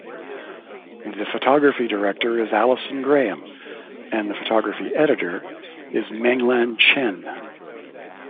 The Photography Director is Alison Graham, and the Photography editor is Menglan Chen.